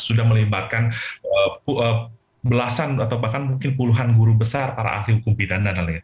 sudah melibatkan belasan atau bahkan mungkin puluhan guru besar para ahli hukum pidana dan lain lain